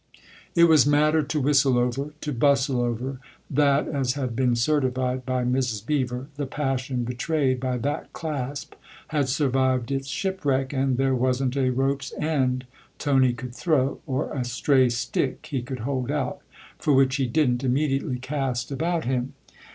It was matter to whistle over, to bustle over, that, as had been certified by Mrs. Beever, the passion betrayed by that clasp had survived its shipwreck, and there wasn't a rope's end Tony could throw, or a stray stick he could hold out, for which he didn't immedi ately cast about him.